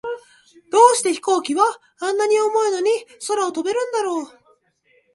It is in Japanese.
どうして飛行機は、あんなに重いのに空を飛べるんだろう。